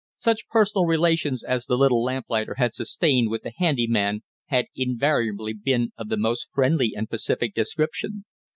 Such personal relations as the little lamplighter had sustained with the handy man had invariably been of the most friendly and pacific description.